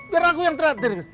biar aku yang terakhir